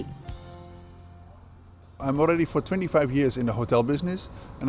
tôi đã sống ở một mươi quốc tế và ba thị trấn